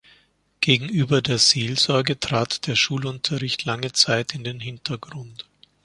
Gegenüber der Seelsorge trat der Schulunterricht lange Zeit in den Hintergrund.